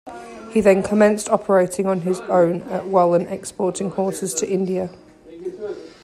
He then commenced operating on his own at Wallan exporting horses to India.